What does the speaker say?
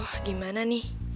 aduh gimana nih